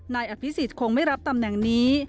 นายอภิษฎคงไม่รับตำแหน่งนี้